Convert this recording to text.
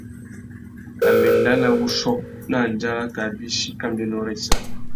A mà enda nà wuchiô nà andjara kā bîchi kambiénô râ issa.